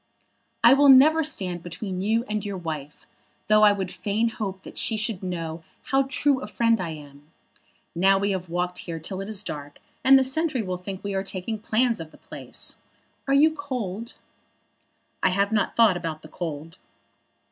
"I will never stand between you and your wife, though I would fain hope that she should know how true a friend I am. Now we have walked here till it is dark, and the sentry will think we are taking plans of the place. Are you cold?" "I have not thought about the cold."